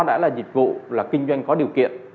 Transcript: đã là dịch vụ là kinh doanh có điều kiện